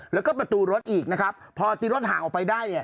แล้วก็ประตูรถอีกนะครับพอตีรถห่างออกไปได้เนี่ย